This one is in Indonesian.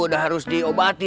udah harus diobati